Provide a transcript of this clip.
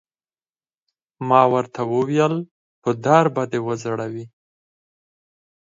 ما ورته وویل: په دار به دې وځړوي.